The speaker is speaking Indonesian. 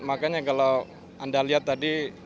makanya kalau anda lihat tadi